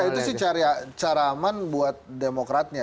itu sih cara aman buat demokratnya